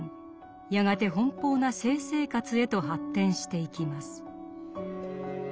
やがて奔放な性生活へと発展していきます。